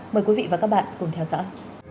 mời quý vị và các bạn cùng theo dõi